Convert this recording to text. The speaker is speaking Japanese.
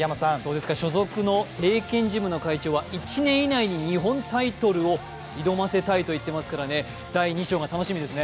所属の帝拳ジムの会長は１年以内に日本タイトルを挑ませたいと言っていますから第２章が楽しみですね。